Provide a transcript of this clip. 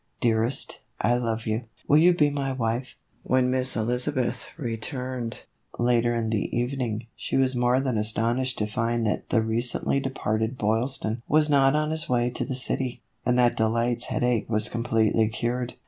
Dearest, I love you. Will you be my wife ?" When Miss Elizabeth returned, later in the even ing, she was more than astonished to find that the recently departed Boylston was not on his way to the city, and that Delight's headache was completely cured.